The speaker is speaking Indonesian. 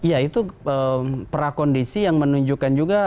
ya itu prakondisi yang menunjukkan juga